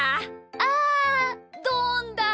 あどんだ！